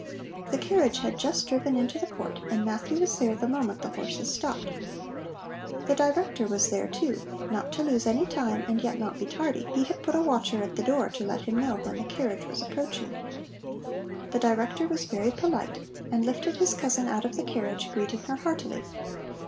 The carriage had just driven into the court and Matthew was there the moment the horses stopped. The Director was there, too; not to lose any time and yet not be tardy, he had put a watcher at the door to let him know when the carriage was approaching. The Director was very polite and lifted his cousin out of the carriage, greeting her heartily.